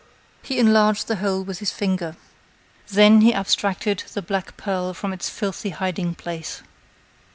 He enlarged the hole with his finger. Then he abstracted the black pearl from its filthy hiding place.